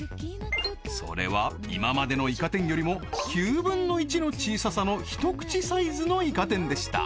それは今までのイカ天よりも９分の１の小ささのひと口サイズのイカ天でした